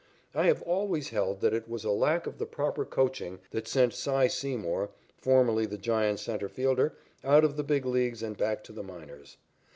I have always held that it was a lack of the proper coaching that sent "Cy" Seymour, formerly the Giant centre fielder, out of the Big Leagues and back to the minors.